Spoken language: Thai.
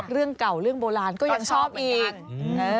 เรื่องเก่าเรื่องโบราณก็ยังชอบอีกนะ